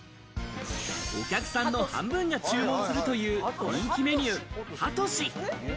お客さんの半分が注文するという人気メニュー、ハトシ。